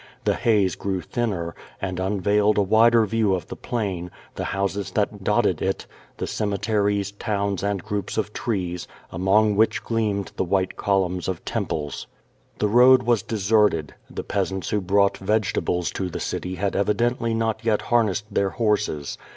The haze grew thinner, and unveiled a wider view of the plain, the houses that dotted it, the cemeteries, toums, and groups of trees, among which gleamed the white columns of temples. The road was deserted. The peasants who brought vege tables to the city had evidently not yet harnessed their horses.